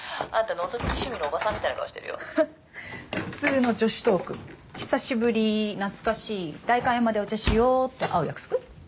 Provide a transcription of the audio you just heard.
のぞき見趣味のおばさんみたいな顔してるよふっ普通の女子トーク「久しぶり」「懐かしい」「代官山でお茶しよう」って会う約束？